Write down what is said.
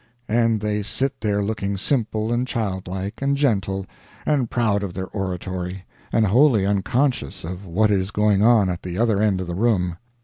and they sit there looking simple and childlike, and gentle, and proud of their oratory, and wholly unconscious of what is going on at the other end of the room.